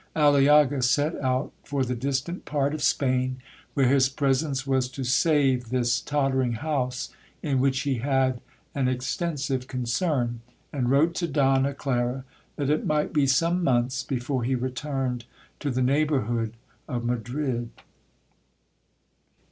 Aliaga set out for the distant part of Spain where his presence was to save this tottering house in which he had an extensive concern, and wrote to Donna Clara, that it might be some months before he returned to the neighbourhood of Madrid.